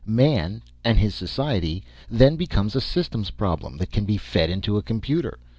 Man and his society then becomes a systems problem that can be fed into a computer.